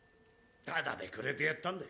タダでくれてやったんだ